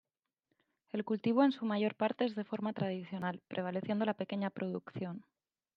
El cultivo en su mayor parte es de forma tradicional, prevaleciendo la pequeña producción.